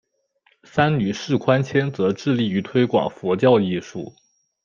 三女释宽谦则致力于推广佛教艺术。